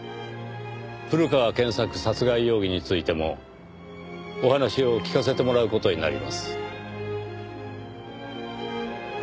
古川健作殺害容疑についてもお話を聞かせてもらう事になります。